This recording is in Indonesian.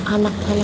ada di sekolah